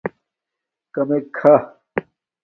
کمک کھا